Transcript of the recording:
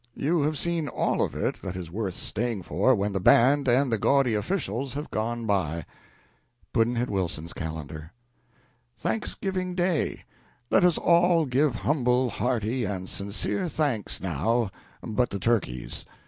You have seen all of it that is worth staying for when the band and the gaudy officials have gone by. Pudd'nhead Wilson's Calendar. Thanksgiving Day. Let all give humble, hearty, and sincere thanks, now, but the turkeys.